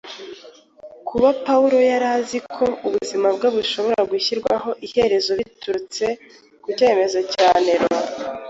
Kuba Pawulo yari azi ko ubuzima bwe bushobora gushyirwaho iherezo biturutse ku cyemezo cya Nero